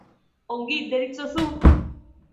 Ongi deritzozu?